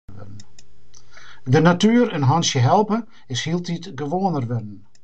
De natuer in hantsje helpe is hieltyd gewoaner wurden.